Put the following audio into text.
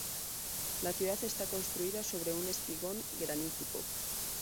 La ciudad está construida sobre un espigón granítico.